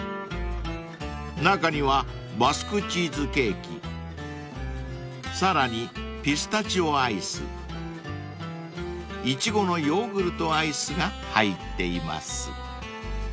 ［中にはバスクチーズケーキさらにピスタチオアイスイチゴのヨーグルトアイスが入っています］